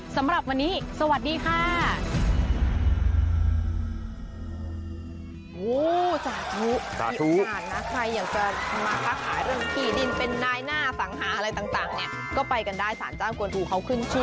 สำหรับวันนี้สวัสดีค่ะ